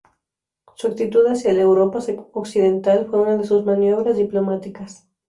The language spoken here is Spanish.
Su actitud hacia Europa occidental fue una de sus maniobras diplomáticas.